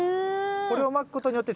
これをまくことによって？